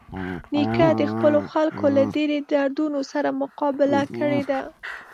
نیکه د خپلو خلکو له ډېرۍ دردونو سره مقابله کړې ده.